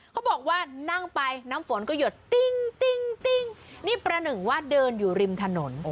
เขาบอกว่านั่งไปน้ำฝนก็หยดนี่ประหนึ่งว่าเดินอยู่ริมถนน